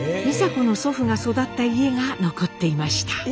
美佐子の祖父が育った家が残っていました。